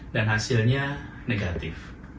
dan hasilnya negatif